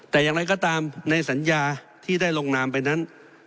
แต่อย่างไรก็ตามในสัญญาที่ได้ลงนามไปนั้น